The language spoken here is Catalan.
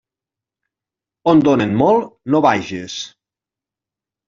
On donen molt, no vages.